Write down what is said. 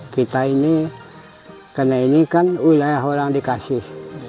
kita ini karena ini kan wilayah orang dikasih